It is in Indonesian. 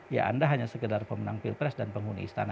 ya anda hanya sekedar pemenang pilpres dan penghuni istana